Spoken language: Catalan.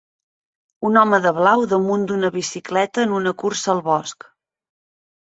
Un home de blau damunt d'una bicicleta en una cursa al bosc.